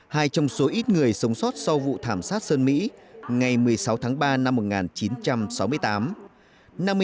hai trong số ít người sống sót sau vụ thảm sát sơn mỹ ngày một mươi sáu tháng ba năm một nghìn chín trăm sáu mươi tám